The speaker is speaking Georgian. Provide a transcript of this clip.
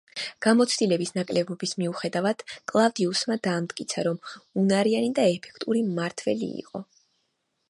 გამოცდილების ნაკლებობის მიუხედავად, კლავდიუსმა დაამტკიცა, რომ უნარიანი და ეფექტური მმართველი იყო.